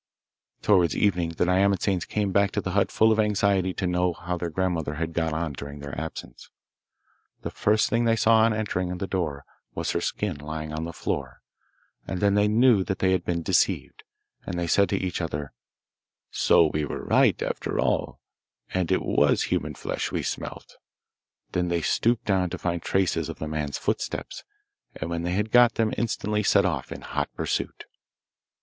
Towards evening the nyamatsanes came back to the hut full of anxiety to know how their grandmother had got on during their absence. The first thing they saw on entering the door was her skin lying on the floor, and then they knew that they had been deceived, and they said to each other, 'So we were right, after all, and it was human flesh we smelt.' Then they stooped down to find traces of the man's footsteps, and when they had got them instantly set out in hot pursuit.